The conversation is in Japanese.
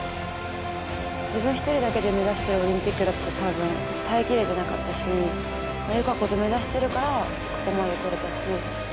自分一人だけで目指したオリンピックだったらたぶん、耐えきれてなかったし、友香子と目指してるからここまで来れたし。